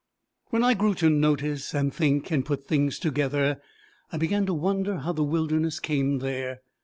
When I grew to notice, and think, and put things together, I began to wonder how the wilderness came there.